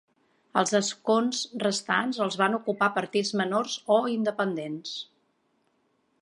Els escons restants els van ocupar partits menors o independents.